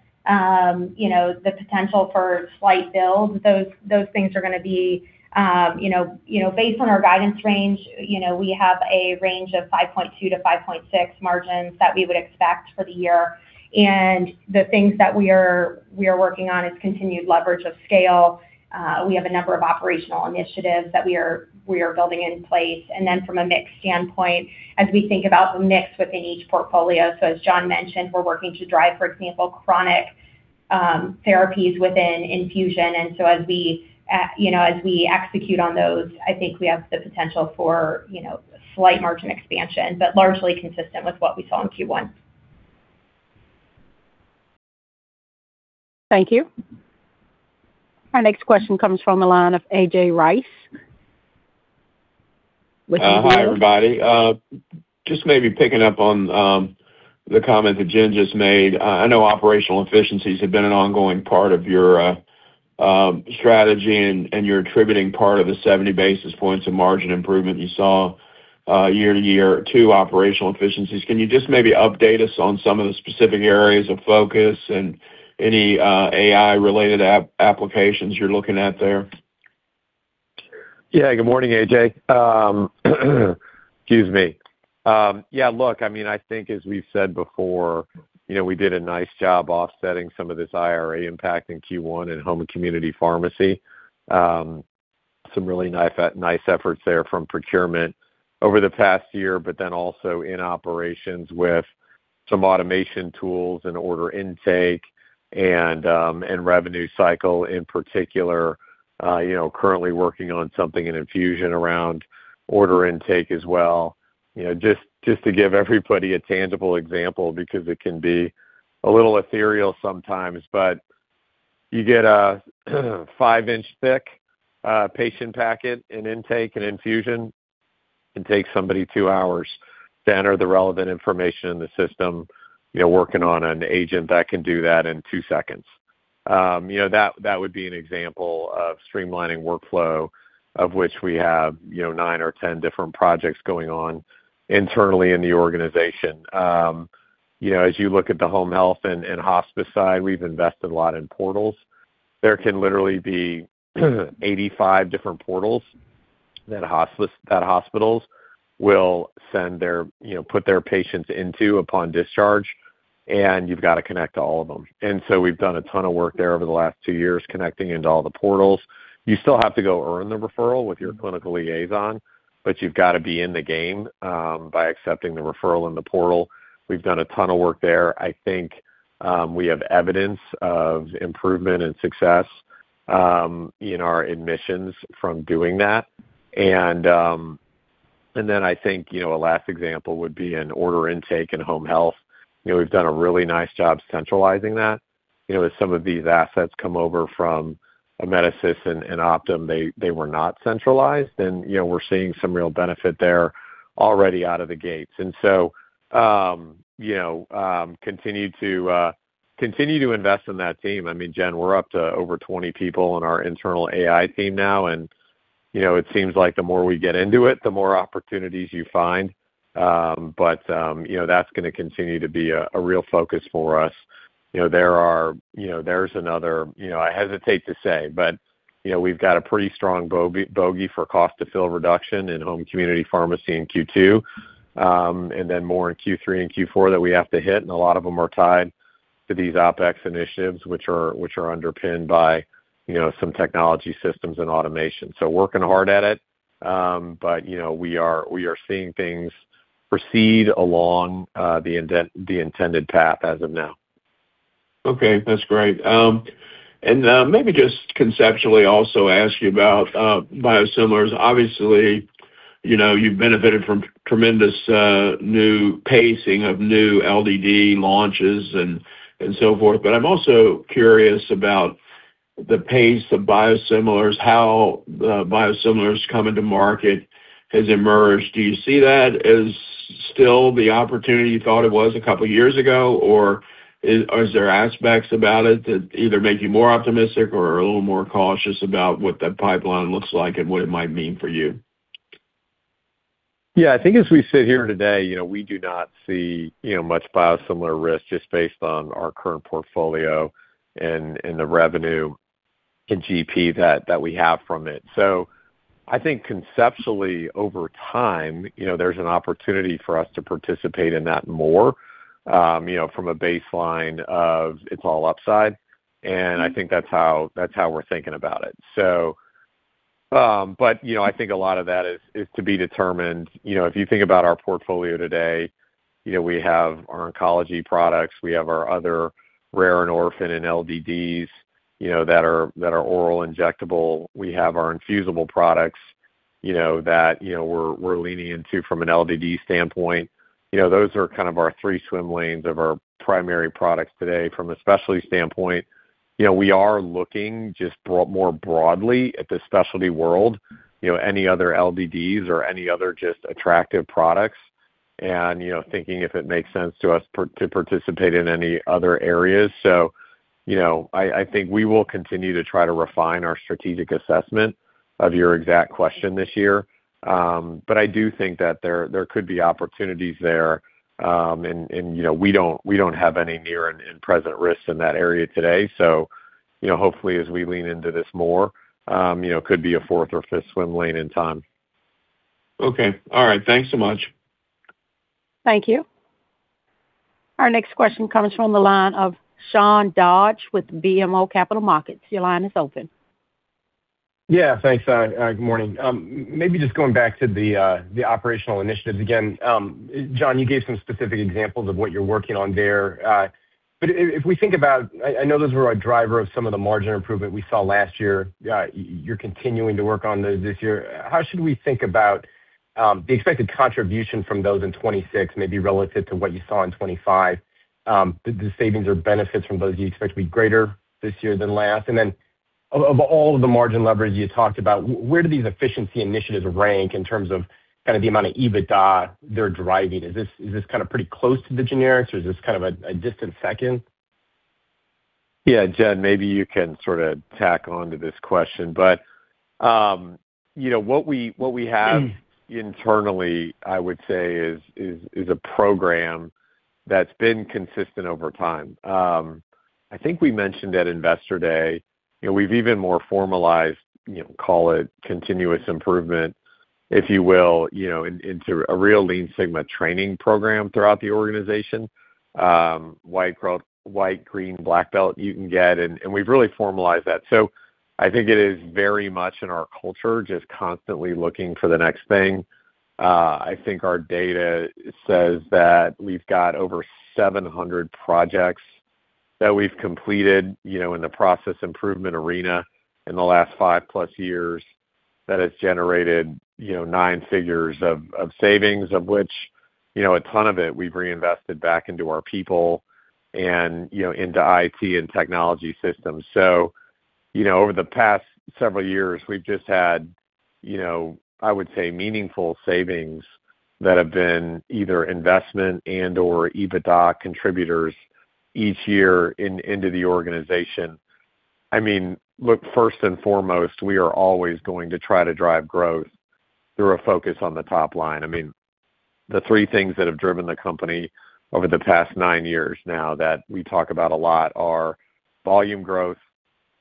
you know, the potential for slight build. Those things are gonna be, you know, based on our guidance range, you know, we have a range of 5.2%-5.6% margins that we would expect for the year. The things that we are working on is continued leverage of scale. We have a number of operational initiatives that we are building in place. Then from a mix standpoint, as we think about the mix within each portfolio, as Jon mentioned, we're working to drive, for example, chronic therapies within infusion. As we, you know, as we execute on those, I think we have the potential for, you know, slight margin expansion, but largely consistent with what we saw in Q1. Thank you. Our next question comes from the line of A.J. Rice with UBS. Hi, everybody. Just maybe picking up on the comment that Jen just made. I know operational efficiencies have been an ongoing part of your strategy, and you're attributing part of the 70 basis points of margin improvement you saw year-to-year to operational efficiencies. Can you just maybe update us on some of the specific areas of focus and any AI-related applications you're looking at there? Good morning, A.J. Rice. Excuse me. I mean, I think as we've said before, you know, we did a nice job offsetting some of this IRA impact in Q1 in home and community pharmacy. Some really nice efforts there from procurement over the past year, but then also in operations with some automation tools and order intake and revenue cycle in particular. You know, currently working on something in infusion around order intake as well. You know, just to give everybody a tangible example because it can be a little ethereal sometimes. You get a five-inch thick patient packet in intake and infusion. It takes somebody two hours to enter the relevant information in the system, you know, working on an agent that can do that in two seconds. You know, that would be an example of streamlining workflow of which we have, you know, nine or 10 different projects going on internally in the organization. You know, as you look at the home health and hospice side, we've invested a lot in portals. There can literally be 85 different portals that hospitals will send their, you know, put their patients into upon discharge. You've got to connect to all of them. So we've done a ton of work there over the last two years, connecting into all the portals. You still have to go earn the referral with your clinical liaison, you've got to be in the game by accepting the referral in the portal. We've done a ton of work there. I think we have evidence of improvement and success in our admissions from doing that. Then, I think, you know, a last example would be in order intake and home health. You know, we've done a really nice job centralizing that. You know, as some of these assets come over from Amedisys and Optum, they were not centralized and, you know, we're seeing some real benefit there already out of the gates. So, you know, continue to invest in that team. I mean, Jen, we're up to over 20 people in our internal AI team now, and, you know, it seems like the more we get into it, the more opportunities you find. But, you know, that's gonna continue to be a real focus for us. You know, there's another, you know, I hesitate to say, but, you know, we've got a pretty strong bogey for cost to fill reduction in home community pharmacy in Q2, and then more in Q3 and Q4 that we have to hit, and a lot of them are tied to these OpEx initiatives, which are, which are underpinned by, you know, some technology systems and automation. Working hard at it, you know, we are, we are seeing things proceed along the intended path as of now. Okay, that's great. maybe just conceptually also ask you about biosimilars. Obviously, you know, you've benefited from tremendous new pacing of new LDD launches and so forth. I'm also curious about the pace of biosimilars, how the biosimilars coming to market has emerged. Do you see that as still the opportunity you thought it was a two years ago, or is there aspects about it that either make you more optimistic or a little more cautious about what that pipeline looks like and what it might mean for you? I think as we sit here today, you know, we do not see, you know, much biosimilar risk just based on our current portfolio and the revenue in GP that we have from it. I think conceptually over time, you know, there's an opportunity for us to participate in that more, you know, from a baseline of it's all upside. I think that's how we're thinking about it. I think a lot of that is to be determined. You know, if you think about our portfolio today, you know, we have our oncology products, we have our other rare and orphan and LDDs, you know, that are oral injectable. We have our infusible products, you know, that, you know, we're leaning into from an LDD standpoint. You know, those are kind of our three swim lanes of our primary products today from a specialty standpoint. You know, we are looking just more broadly at the specialty world, you know, any other LDDs or any other just attractive products and, you know, thinking if it makes sense to us to participate in any other areas. You know, I think we will continue to try to refine our strategic assessment of your exact question this year. I do think that there could be opportunities there. And, you know, we don't have any near and present risks in that area today. You know, hopefully, as we lean into this more, you know, could be a fourth or fifth swim lane in time. Okay. All right. Thanks so much. Thank you. Our next question comes from the line of Sean Dodge with BMO Capital Markets. Your line is open. Thanks. Good morning. Maybe just going back to the operational initiatives again. Jon, you gave some specific examples of what you're working on there. If we think about, I know those were a driver of some of the margin improvement we saw last year. You're continuing to work on those this year. How should we think about the expected contribution from those in 2026 maybe relative to what you saw in 2025? The savings or benefits from those, do you expect to be greater this year than last? Then of all of the margin leverage you talked about, where do these efficiency initiatives rank in terms of kind of the amount of EBITDA they're driving? Is this kind of pretty close to the generics, or is this kind of a distant second? Yeah. Jen, maybe you can sort of tackle onto this question. You know, what we have internally, I would say is a program that's been consistent over time. I think we mentioned at Investor Day, you know, we've even more formalized, you know, call it continuous improvement, if you will, you know, into a real Lean Six Sigma training program throughout the organization. White, Green, Black Belt you can get, and we've really formalized that. I think it is very much in our culture, just constantly looking for the next thing. I think our data says that we've got over 700 projects that we've completed, you know, in the process improvement arena in the last five-plus years, that it's generated, you know, nine figures of savings, of which, you know, a ton of it we've reinvested back into our people and, you know, into IT and technology systems. You know, over the past several years, we've just had, you know, I would say, meaningful savings that have been either investment and/or EBITDA contributors each year into the organization. I mean, look, first and foremost, we are always going to try to drive growth through a focus on the top line. I mean, the three things that have driven the company over the past nine years now that we talk about a lot are volume growth,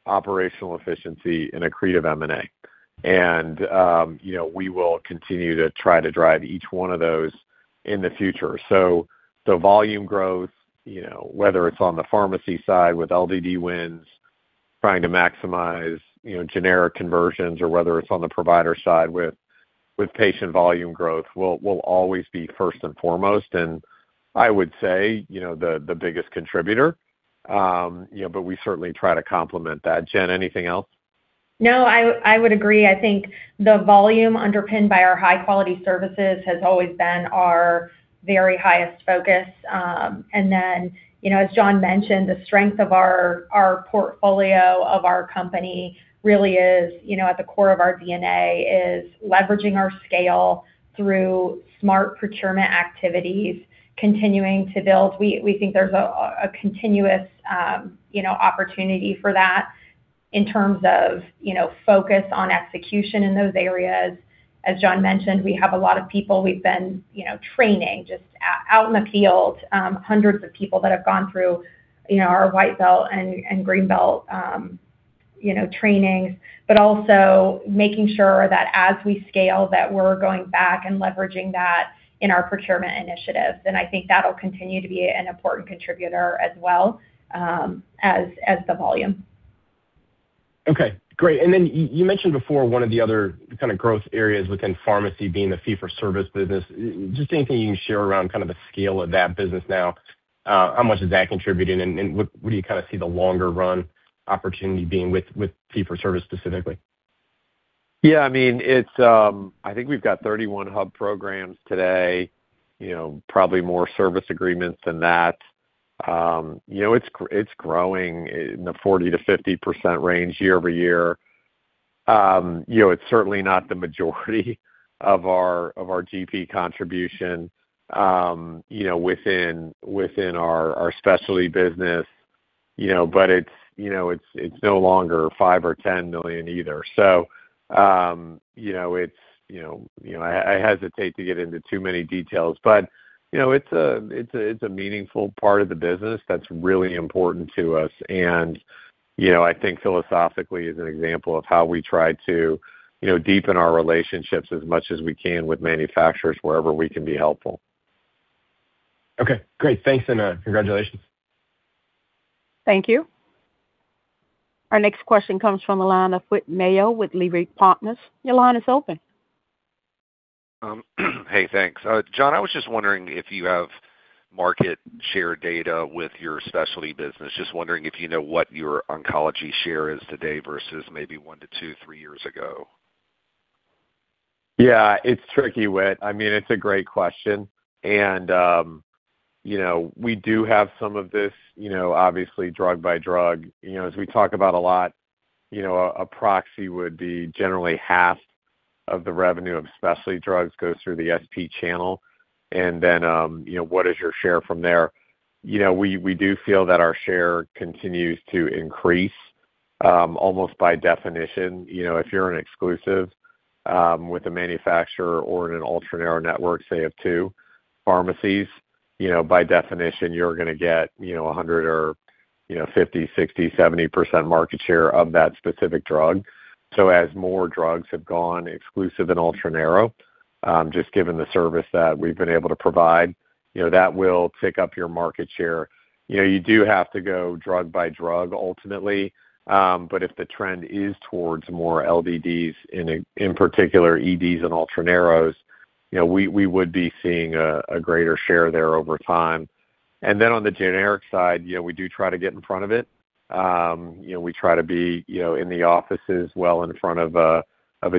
operational efficiency, and accretive M&A. You know, we will continue to try to drive each one of those in the future. The volume growth, you know, whether it's on the pharmacy side with LDD wins, trying to maximize, you know, generic conversions or whether it's on the provider side with patient volume growth, will always be first and foremost, and I would say, you know, the biggest contributor. You know, we certainly try to complement that. Jen, anything else? No, I would agree. I think the volume underpinned by our high-quality services has always been our very highest focus. You know, as Jon mentioned, the strength of our portfolio of our company really is, you know, at the core of our DNA, is leveraging our scale through smart procurement activities, continuing to build. We think there's a continuous, you know, opportunity for that in terms of, you know, focus on execution in those areas. As Jon mentioned, we have a lot of people we've been, you know, training just out in the field, hundreds of people that have gone through, you know, our White Belt and Green Belt, you know, trainings, but also making sure that as we scale, that we're going back and leveraging that in our procurement initiatives. I think that'll continue to be an important contributor as well, as the volume. Okay, great. You mentioned before one of the other kind of growth areas within pharmacy being the fee for service business. Just anything you can share around kind of the scale of that business now, how much is that contributing and what do you kind of see the longer run opportunity being with fee for service specifically? Yeah, I mean, it's, I think we've got 31 hub programs today, you know, probably more service agreements than that. You know, it's growing in the 40%-50% range year over year. You know, it's certainly not the majority of our, of our GP contribution, you know, within our specialty business, you know, but it's, you know, it's no longer $5 million or $10 million either. You know, it's, you know, you know, I hesitate to get into too many details, but, you know, it's a, it's a, it's a meaningful part of the business that's really important to us. You know, I think philosophically is an example of how we try to, you know, deepen our relationships as much as we can with manufacturers wherever we can be helpful. Okay, great. Thanks. Congratulations. Thank you. Our next question comes from the line of Whit Mayo with Leerink Partners. Your line is open. Hey, thanks. Jon, I was just wondering if you have market share data with your specialty business. Just wondering if you know what your oncology share is today versus maybe one to two, three years ago. Yeah, it's tricky, Whit. I mean, it's a great question. You know, we do have some of this, you know, obviously drug by drug. You know, as we talk about a lot, you know, a proxy would be generally half of the revenue of specialty drugs goes through the SP channel. You know, what is your share from there? You know, we do feel that our share continues to increase almost by definition. You know, if you're an exclusive with a manufacturer or in an ultra-narrow network, say, of two pharmacies, you know, by definition, you're gonna get, you know, 100% or, you know, 50%, 60%, 70% market share of that specific drug. As more drugs have gone exclusive and ultra-narrow, just given the service that we've been able to provide, you know, that will tick up your market share. You know, you do have to go drug by drug ultimately. If the trend is towards more LDDs, in particular EDs and ultra narrows, you know, we would be seeing a greater share there over time. On the generic side, you know, we do try to get in front of it. You know, we try to be, you know, in the offices well in front of a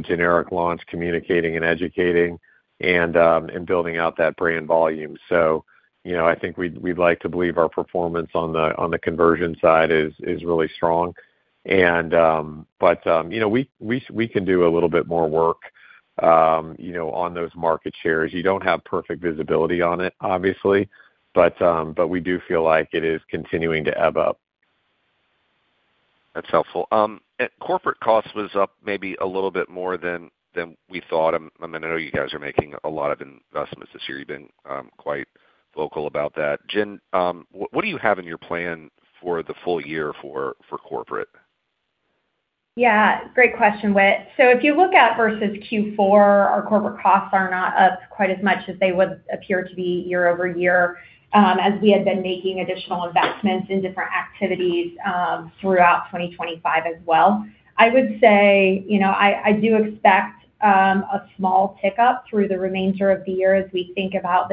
generic launch, communicating and educating and building out that brand volume. You know, I think we'd like to believe our performance on the conversion side is really strong. You know, we can do a little bit more work, you know, on those market shares. You don't have perfect visibility on it, obviously, we do feel like it is continuing to ebb up. That's helpful. Corporate cost was up maybe a little bit more than we thought. I mean, I know you guys are making a lot of investments this year. You've been quite vocal about that. Jen, what do you have in your plan for the full year for corporate? Yeah, great question, Whit. If you look at versus Q4, our corporate costs are not up quite as much as they would appear to be year-over-year, as we had been making additional investments in different activities, throughout 2025 as well. I would say, you know, I do expect a small tick-up through the remainder of the year as we think about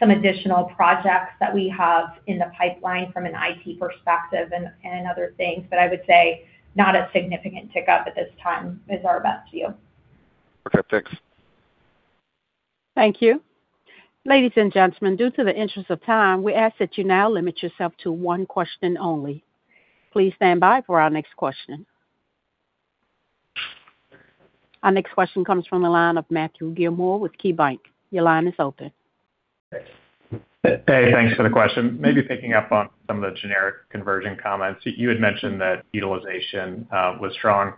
some additional projects that we have in the pipeline from an IT perspective and other things. I would say not a significant tick-up at this time is our best view. Okay, thanks. Thank you. Ladies and gentlemen, due to the interest of time, we ask that you now limit yourself to one question only. Please stand by for our next question. Our next question comes from the line of Matthew Gillmor with KeyBanc. Your line is open. Thanks. Hey, thanks for the question. Maybe picking up on some of the generic conversion comments. You had mentioned that utilization was strong.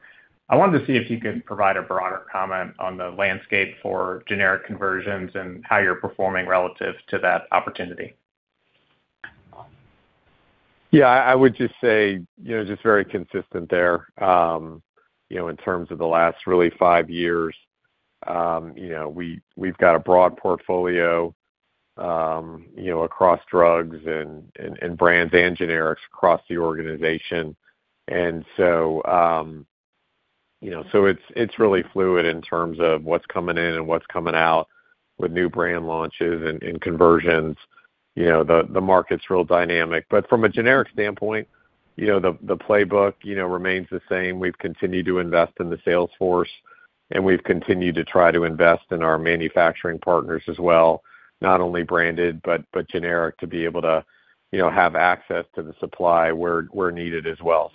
I wanted to see if you could provide a broader comment on the landscape for generic conversions and how you're performing relative to that opportunity. Yeah. I would just say, you know, just very consistent there, you know, in terms of the last really five years. You know, we've got a broad portfolio, you know, across drugs and, and brands and generics across the organization. So, you know, so it's really fluid in terms of what's coming in and what's coming out with new brand launches and conversions. You know, the market's real dynamic. From a generic standpoint, you know, the playbook, you know, remains the same. We've continued to invest in the sales force, and we've continued to try to invest in our manufacturing partners as well, not only branded, but generic, to be able to, you know, have access to the supply where needed as well.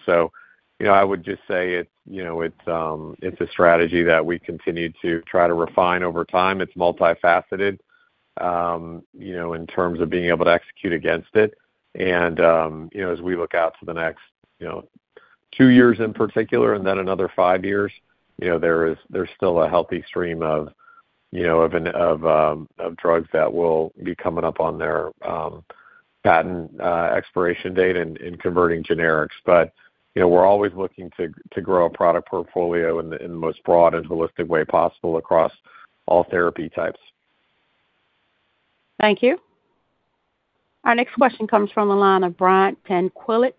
You know, I would just say it's, you know, it's a strategy that we continue to try to refine over time. It's multifaceted, you know, in terms of being able to execute against it. You know, as we look out to the next, you know, two years in particular and then another five years, you know, there's still a healthy stream of, you know, of drugs that will be coming up on their patent expiration date and converting generics. You know, we're always looking to grow our product portfolio in the, in the most broad and holistic way possible across all therapy types. Thank you. Our next question comes from the line of Brian Tanquilut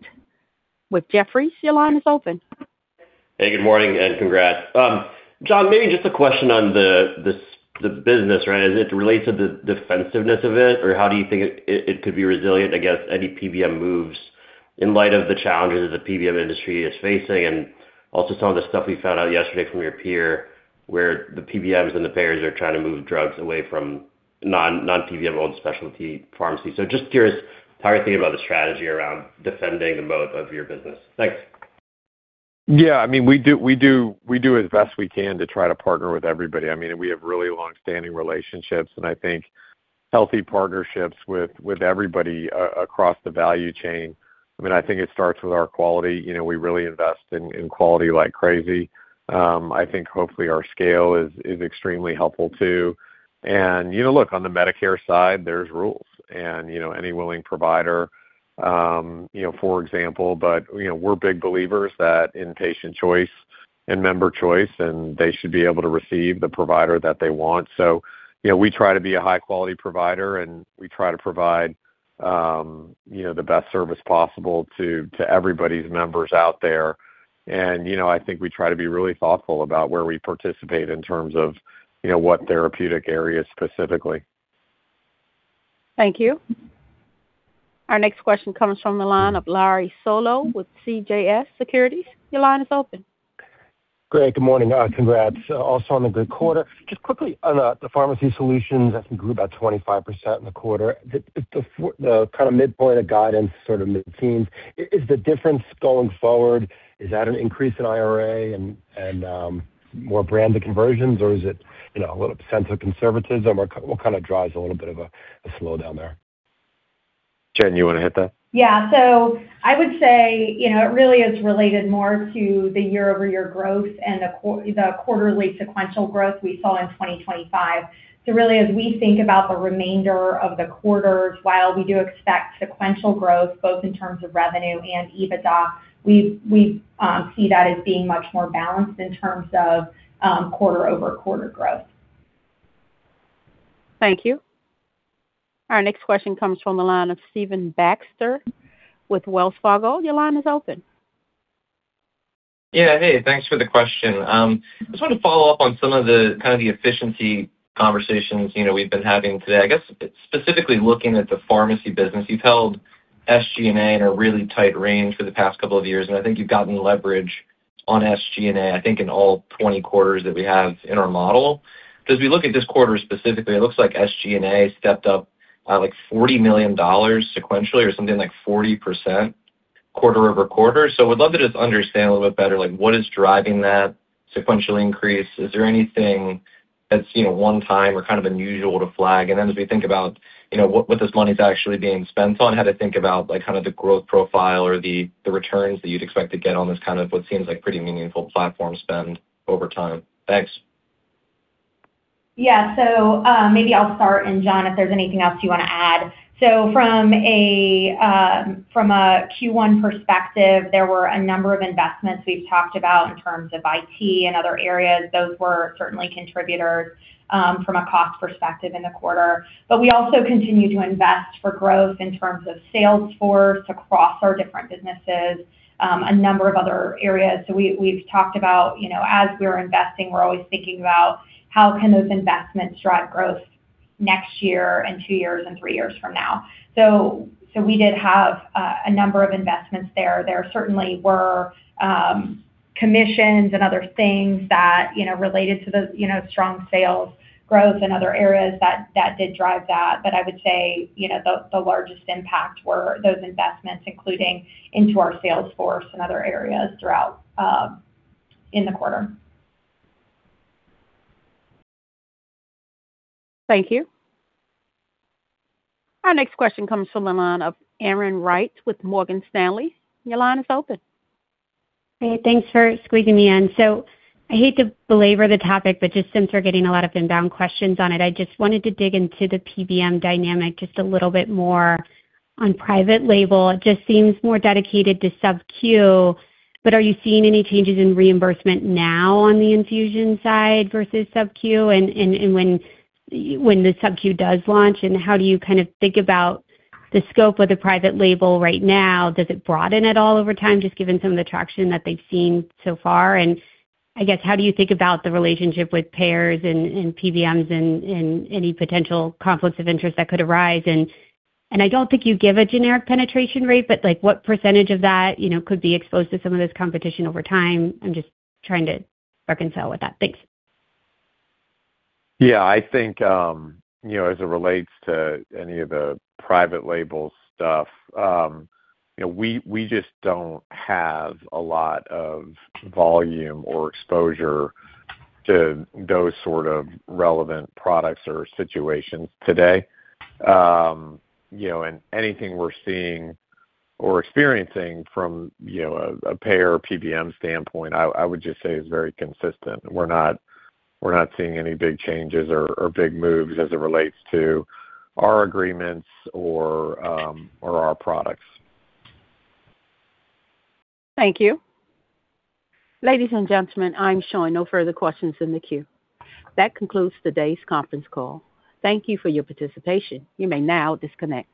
with Jefferies. Your line is open. Hey, good morning, and congrats. Jon, maybe just a question on the business, right, as it relates to the defensiveness of it or how do you think it could be resilient against any PBM moves in light of the challenges the PBM industry is facing and also some of the stuff we found out yesterday from your peer, where the PBMs and the payers are trying to move drugs away from non-PBM-owned specialty pharmacies. Just curious how you're thinking about the strategy around defending the moat of your business. Thanks. I mean, we do as best we can to try to partner with everybody. I mean, we have really longstanding relationships, and I think healthy partnerships with everybody across the value chain. I mean, I think it starts with our quality. You know, we really invest in quality like crazy. I think hopefully our scale is extremely helpful, too. You know, look, on the Medicare side, there's rules and, you know, any willing provider, you know, for example, you know, we're big believers that in patient choice and member choice, and they should be able to receive the provider that they want. You know, we try to be a high-quality provider, and we try to provide, you know, the best service possible to everybody's members out there. You know, I think we try to be really thoughtful about where we participate in terms of, you know, what therapeutic areas specifically. Thank you. Our next question comes from the line of Larry Solow with CJS Securities. Your line is open. Great. Good morning. Congrats also on the good quarter. Just quickly on the pharmacy solutions that grew about 25% in the quarter. The kind of midpoint of guidance, sort of mid-teens. Is the difference going forward, is that an increase in IRA and more branded conversions or is it, you know, a little sense of conservatism or what kind of drives a little bit of a slowdown there? Jen, you wanna hit that? I would say, you know, it really is related more to the year-over-year growth and the quarterly sequential growth we saw in 2025. Really, as we think about the remainder of the quarters, while we do expect sequential growth both in terms of revenue and EBITDA, we see that as being much more balanced in terms of quarter-over-quarter growth. Thank you. Our next question comes from the line of Stephen Baxter with Wells Fargo. Your line is open. Hey, thanks for the question. I just wanted to follow up on some of the kind of the efficiency conversations, you know, we've been having today. I guess specifically looking at the pharmacy business. You've held SG&A in a really tight range for the past couple of years, and I think you've gotten leverage on SG&A, I think, in all 20 quarters that we have in our model. As we look at this quarter specifically, it looks like SG&A stepped up by, like, $40 million sequentially or something like 40% quarter-over-quarter. Would love to just understand a little bit better, like, what is driving that sequential increase. Is there anything that's, you know, one time or kind of unusual to flag? As we think about, you know, what this money's actually being spent on, how to think about, like, kinda the growth profile or the returns that you'd expect to get on this kind of what seems like pretty meaningful platform spend over time. Thanks. Maybe I'll start, and Jon, if there's anything else you wanna add. From a Q1 perspective, there were a number of investments we've talked about in terms of IT and other areas. Those were certainly contributors from a cost perspective in the quarter. We also continue to invest for growth in terms of sales force across our different businesses, a number of other areas. We've talked about, you know, as we are investing, we're always thinking about how can those investments drive growth next year and two years and three years from now. We did have a number of investments there. There certainly were commissions and other things that, you know, related to those, you know, strong sales growth in other areas that did drive that. I would say, you know, the largest impact were those investments, including into our sales force and other areas throughout in the quarter. Thank you. Our next question comes from the line of Erin Wright with Morgan Stanley. Your line is open. Hey, thanks for squeezing me in. I hate to belabor the topic, but just since we're getting a lot of inbound questions on it, I just wanted to dig into the PBM dynamic just a little bit more. On private label, it just seems more dedicated to subQ, but are you seeing any changes in reimbursement now on the infusion side versus subQ? When the subQ does launch, and how do you kind of think about the scope of the private label right now? Does it broaden at all over time, just given some of the traction that they've seen so far? I guess, how do you think about the relationship with payers and PBMs and any potential conflicts of interest that could arise? I don't think you give a generic penetration rate, but, like, what percentage of that, you know, could be exposed to some of this competition over time? I'm just trying to reconcile with that. Thanks. I think, you know, as it relates to any of the private label stuff, you know, we just don't have a lot of volume or exposure to those sort of relevant products or situations today. You know, anything we're seeing or experiencing from, you know, a payer or PBM standpoint, I would just say is very consistent. We're not seeing any big changes or big moves as it relates to our agreements or our products. Thank you. Ladies and gentlemen, I'm showing no further questions in the queue. That concludes today's conference call. Thank you for your participation. You may now disconnect.